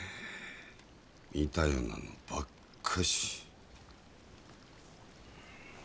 見たようなのばっかし。